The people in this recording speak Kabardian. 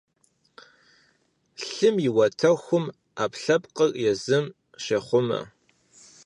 Лъым и уатэхум Ӏэпкълъэпкъыр узым щехъумэ.